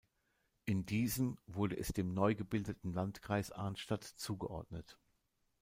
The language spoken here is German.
In diesem wurde es dem neugebildeten Landkreis Arnstadt zugeordnet.